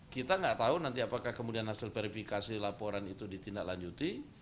kita nggak tahu nanti apakah kemudian hasil verifikasi laporan itu ditindaklanjuti